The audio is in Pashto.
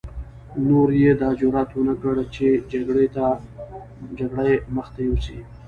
نورو يې دا جرعت ونه کړ چې جګړې مخته يوسي.